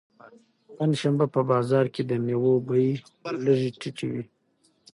پنجشنبه په بازار کې د مېوو بیې لږې ټیټې وي.